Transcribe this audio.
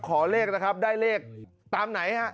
ขอเลขนะครับได้เลขตามไหนฮะ